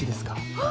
あっ！